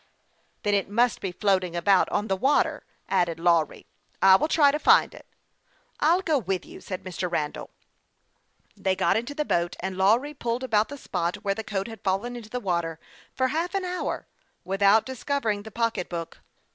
" Then it must be floating about on the water," added Lawry. " I will try to find it." " I'll go with you," said Mr. Randall. They got into the boat, and Lawry pulled about the spot where the coat had fallen into the water for half an hour without discovering the pocketbook.